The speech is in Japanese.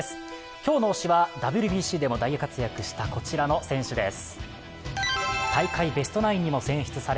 今日の推しは、ＷＢＣでも大活躍した、こちらの選手です。